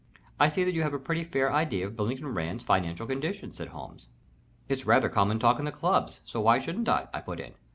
"I see that you have a pretty fair idea of Billington Rand's financial condition," said Holmes. "It's rather common talk in the clubs, so why shouldn't I?" I put in.